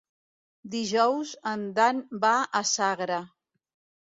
Dijous en Dan va a Sagra.